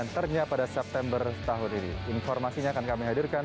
terima kasih mas chandra